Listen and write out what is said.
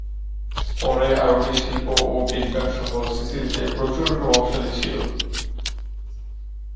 পরে আরবি শিল্প ও বিজ্ঞান শহর সিসিলিতে প্রচুর প্রভাবশালী ছিল।